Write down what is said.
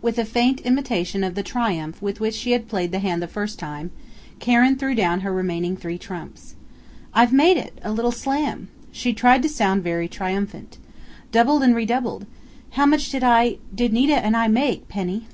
With a faint imitation of the triumph with which she had played the hand the first time, Karen threw down her remaining three trumps. "I've made it a little slam!" she tried to sound very triumphant. "Doubled and redoubled!... How much did I did Nita and I make, Penny?"